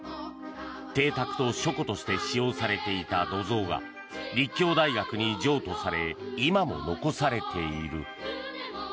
邸宅と書庫として使用されていた土蔵が立教大学に譲渡され今も残されている。